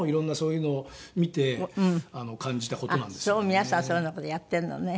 皆さんそういうような事やってるのね。